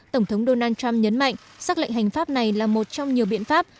tổng thống donald trump nhấn mạnh xác lệnh hành pháp này là một trong nhiều biện pháp